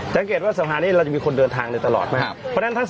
จังเกตว่าสะพานนี้เราจะมีคนเดินทางได้ตลอดนะครับเพราะฉะนั้นทั้งสองที่นี้